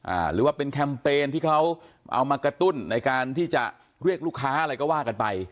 หรือว่าเป็นแคมเปญที่เขาเอามากระตุ้นในการที่จะเรียกลูกค้าอะไรก็ว่ากันไป